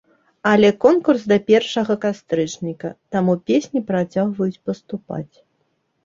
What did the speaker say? Але конкурс да першага кастрычніка, таму песні працягваюць паступаць.